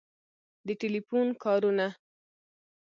د ټیلیفون کارونه